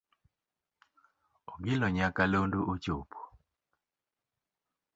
Ogila nyakalondo ochopo.